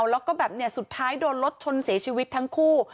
แล้วก็แบบสุดท้ายโดนรถชนเสียชีวิตทั้งคู่